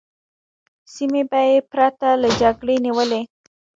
سیمې به یې پرته له جګړې نیولې.